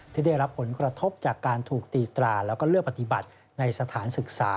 ที่ได้รับผลกระทบจากการถูกตีตราแล้วก็เลือกปฏิบัติในสถานศึกษา